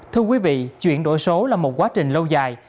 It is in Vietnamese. thưa quý vị chuyển đổi số là một quá trình lâu dài